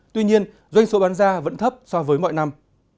tuy nhiên doanh số bán ra vẫn thấp so với mọi năm